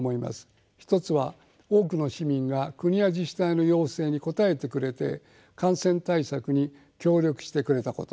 １つは多くの市民が国や自治体の要請に応えてくれて感染対策に協力してくれたこと。